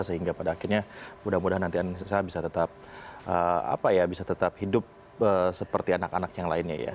sehingga pada akhirnya mudah mudahan nanti saya bisa tetap hidup seperti anak anak yang lainnya ya